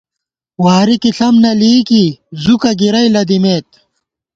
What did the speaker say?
واری کی ݪم نہ لېئیکی زُکہ گِرَئی لېدِمېت